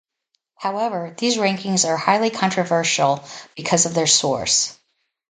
However, these rankings are highly controversial, because of their source.